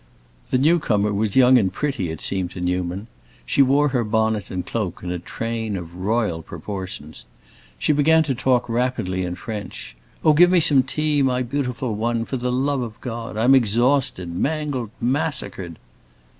The new comer was young and pretty, it seemed to Newman; she wore her bonnet and cloak, and a train of royal proportions. She began to talk rapidly in French. "Oh, give me some tea, my beautiful one, for the love of God! I'm exhausted, mangled, massacred."